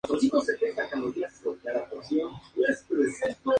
Existen diferentes tipos de espacios o escenarios interpretativos.